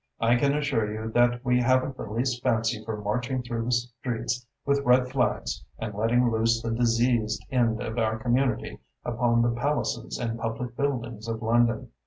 I can assure you that we haven't the least fancy for marching through the streets with red flags and letting loose the diseased end of our community upon the palaces and public buildings of London.